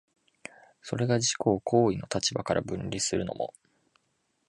それが自己を行為の立場から分離するのも、